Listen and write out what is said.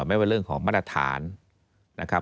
ไม่เป็นเรื่องของมาตรฐานนะครับ